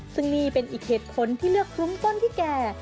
ซึ่งนี่เป็นอีกเหตุผลที่เลือกคลุ้งต้นที่แก่